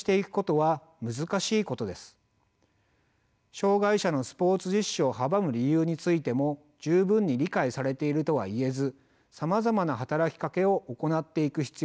障害者のスポーツ実施を阻む理由についても十分に理解されているとは言えずさまざまな働きかけを行っていく必要があります。